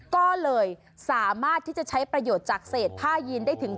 ก็เลยสามารถที่จะใช้ประโยชน์จากเศษผ้ายีนได้ถึง